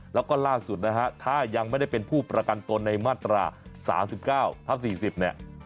แล้วก็ล่าสุดนะฮะถ้ายังไม่ได้เป็นผู้ประกันตนในมาตรา๓๙ทับ๔๐เนี่ย